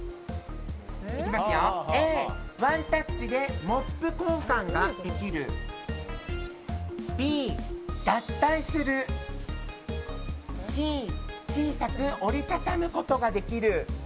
Ａ、ワンタッチでモップ交換ができるＢ、合体するＣ、小さく折りたたむことができる。